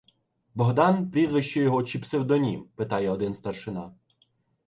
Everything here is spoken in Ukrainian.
— Богдан — прізвище його чи псевдонім? — питає один старшина.